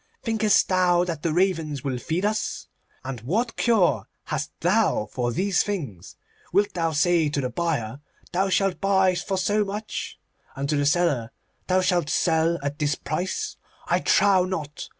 Thinkest thou that the ravens will feed us? And what cure hast thou for these things? Wilt thou say to the buyer, "Thou shalt buy for so much," and to the seller, "Thou shalt sell at this price"? I trow not.